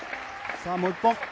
さあ、もう１本。